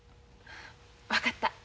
分かった。